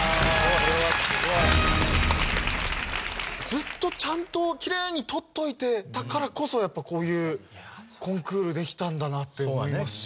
ずっとちゃんときれいにとっておいたからこそやっぱこういうコンクールできたんだなって思いますし。